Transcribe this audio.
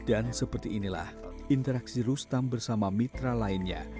seperti inilah interaksi rustam bersama mitra lainnya